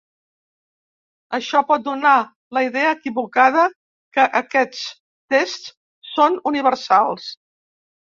Això pot donar la idea equivocada que aquests tests són universals.